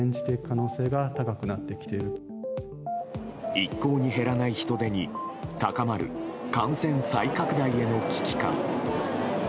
一向に減らない人出に高まる感染再拡大への危機感。